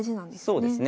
そうですね。